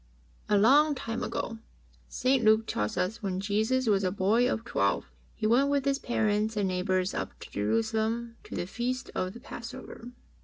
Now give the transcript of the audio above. A long time ago, St. Luke tells US when Jesus was a boy of twelve, He went with His parents and neighbours up to Jerusalem to the Feast of the Passover.